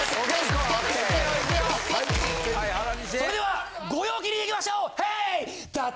それではご陽気にいきましょう！